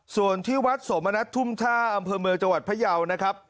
ส่วนที่วัดสมณัฐทุ่มท่าอำเภอเมืองจังหวัดพยาวนะครับ